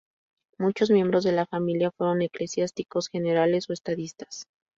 Muchos miembros de la familia fueron eclesiásticos, generales o estadistas.